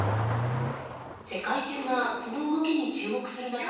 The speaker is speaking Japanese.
世界中がその動きに注目する中